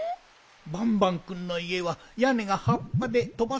バンバンくんのいえはやねがはっぱでとばされやすいからね。